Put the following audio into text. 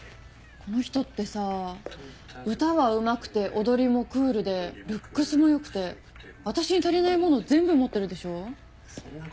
この人ってさぁ歌はうまくて踊りもクールでルックスも良くてあたしに足りないもの全部持ってるでしょ？